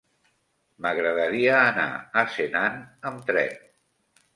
M'agradaria anar a Senan amb tren.